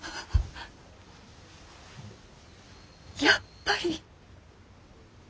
やっぱり。